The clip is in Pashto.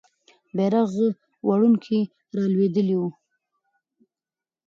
بیرغ وړونکی رالوېدلی وو.